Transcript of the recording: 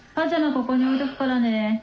ここに置いとくからね。